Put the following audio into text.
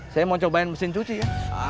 saya mau cobain mesin cuci ya